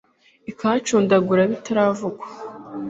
Ikahacundagura bitaravugwa